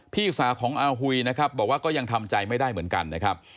พี่สาวของอาหุยนะครับบอกว่าก็ยังทำใจไม่ได้เหมือนกันนะครับ